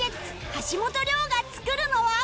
橋本涼が作るのは